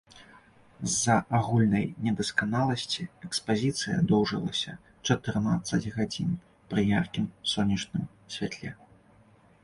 З-за агульнай недасканаласці экспазіцыя доўжылася чатырнаццаць гадзін пры яркім сонечным святле.